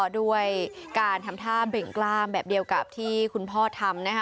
ด้วยการทำท่าเบ่งกล้ามแบบเดียวกับที่คุณพ่อทำนะคะ